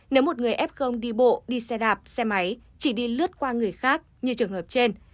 nếu một người f đi bộ đi xe đạp xe máy chỉ đi lướt qua người khác như trường hợp trên